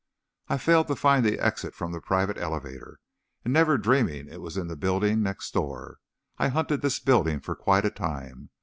"I failed to find the exit from the private elevator, and never dreaming it was in the building next door, I hunted this building for quite a time.